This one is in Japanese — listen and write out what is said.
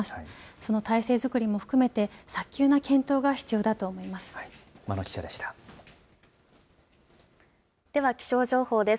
その体制作りも含めて、早急な検討が必要だと思います。